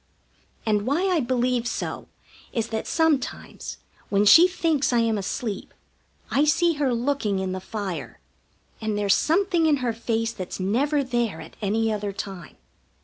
And why I believe so is that sometimes, when she thinks I am asleep, I see her looking in the fire, and there's something in her face that's never there at any other time.